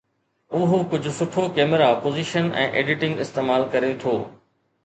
اهو ڪجهه سٺو ڪئميرا پوزيشن ۽ ايڊيٽنگ استعمال ڪري ٿو